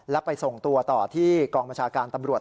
และไปส่งตัวต่อที่กองบัญชาการตำรวจ